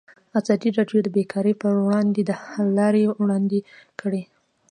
ازادي راډیو د بیکاري پر وړاندې د حل لارې وړاندې کړي.